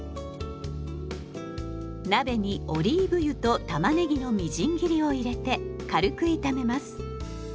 鍋にオリーブ油とたまねぎのみじん切りを入れて軽く炒めます。